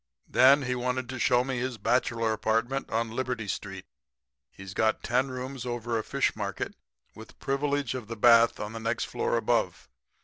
"'Then he wanted to show me his bachelor apartment on Liberty street. He's got ten rooms over a fish market with privilege of the bath on the next floor above.